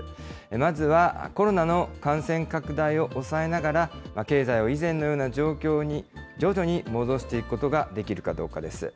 まずはコロナの感染拡大を抑えながら、経済を以前のような状況に、徐々に戻していくことができるかどうかです。